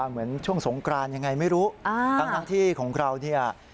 เหมือนช่วงสงกรานยังไงไม่รู้ทั้งที่ของเราเนี่ย